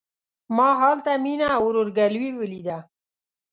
ما هلته مينه او ورور ګلوي وليده.